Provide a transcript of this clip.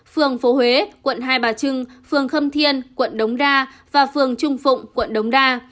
phường phố huế quận hai bà trưng phường khâm thiên quận đống đa và phường trung phụng quận đống đa